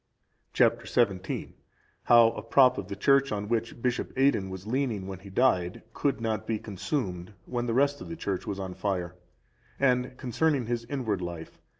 Chap. XVII. How a prop of the church on which Bishop Aidan was leaning when he died, could not be consumed when the rest of the Church was on fire; and concerning his inward life.